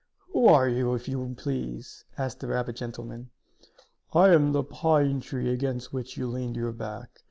"Who are you, if you please?" asked the rabbit gentleman. "I am the pine tree against which you leaned your back.